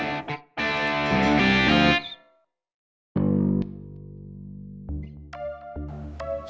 orang yang begitu udah di cincang